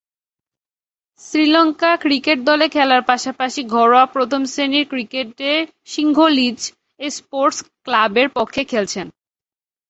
Sri Lanka cricket দলে খেলার পাশাপাশি ঘরোয়া প্রথম-শ্রেণীর ক্রিকেটে সিংহলীজ স্পোর্টস ক্লাবের পক্ষে খেলছেন।